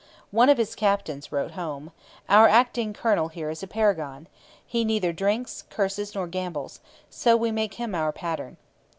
One of his captains wrote home: 'Our acting colonel here is a paragon. He neither drinks, curses, nor gambles. So we make him our pattern.'